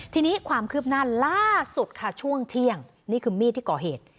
ทีนี้ความคืบหน้าล่าสุดค่ะช่วงเที่ยงนี่คือมีดที่ก่อเหตุ